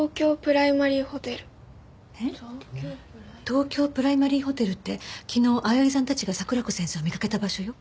東京プライマリーホテルって昨日青柳さんたちが桜子先生を見かけた場所よ。